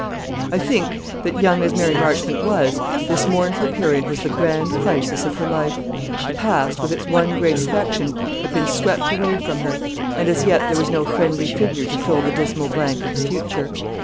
I think that, young as Mary Marchmont was, this mournful period was the grand crisis of her life. The past, with its one great affection, had been swept away from her, and as yet there was no friendly figure to fill the dismal blank of the future.